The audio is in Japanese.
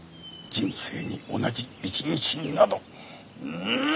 人生に同じ一日などない！